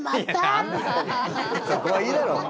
そこはいいだろ！